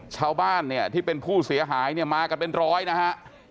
ชาวบ้านเนี่ยที่เป็นผู้เสียหายเนี่ยมากันเป็นร้อยนะฮะ